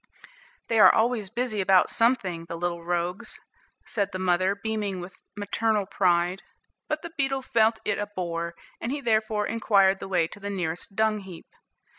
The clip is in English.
"They are always busy about something, the little rogues," said the mother, beaming with maternal pride; but the beetle felt it a bore, and he therefore inquired the way to the nearest dung heap.